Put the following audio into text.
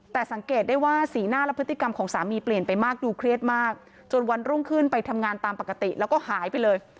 แต่สังเกตได้ว่าสีหน้าและพฤติกรรมของสามีเปลี่ยนไปมากดูเครียดมากจนวันรุ่งขึ้นไปทำงานตามปกติแล้วก็หายไปเลย